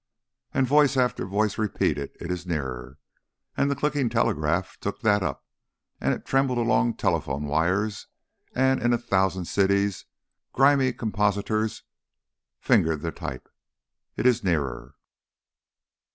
_" And voice after voice repeated, "It is nearer," and the clicking telegraph took that up, and it trembled along telephone wires, and in a thousand cities grimy compositors fingered the type. "It is nearer."